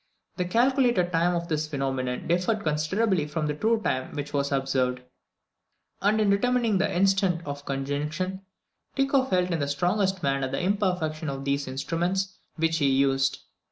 The calculated time of this phenomenon differed considerably from the true time which was observed; and in determining the instant of conjunction Tycho felt in the strongest manner the imperfection of the instruments which he used.